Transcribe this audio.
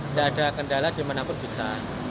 nggak ada kendala dimana pun bisa